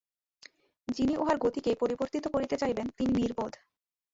যিনি উহার গতিকে পরিবর্তিত করিতে চাইবেন, তিনি নির্বোধ।